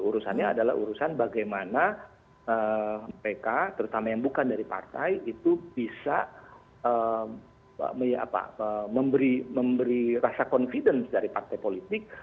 urusannya adalah urusan bagaimana mereka terutama yang bukan dari partai itu bisa memberi rasa confidence dari partai politik